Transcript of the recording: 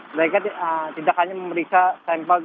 mereka tidak hanya memeriksa sampel